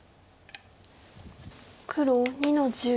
黒２の十。